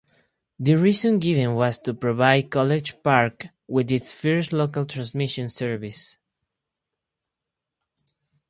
The reason given was to provide College Park with its first local transmission service.